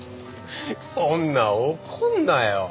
そんな怒んなよ。